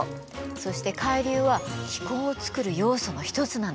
そして海流は気候をつくる要素の一つなの。